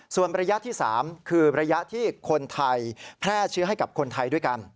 ส่วนระยะที่๓คือระยะที่คนไทยแพร่เชื้อให้กับคนไทยด้วยกัน